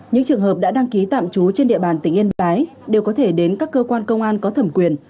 những trường hợp đã đăng ký tạm trú trên địa bàn tỉnh yên bái đều có thể đến các cơ quan công an có thẩm quyền